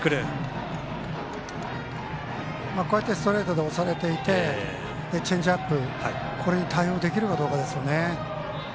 こうやってストレートで押されていてチェンジアップこれに対応できるかどうかですね。